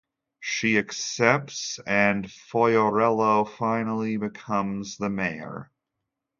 She accepts and Fiorello finally becomes the mayor.